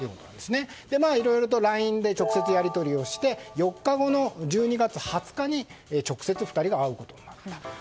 ＬＩＮＥでいろいろと直接やり取りをして４日後の１２月２０日に直接２人が会うことになったと。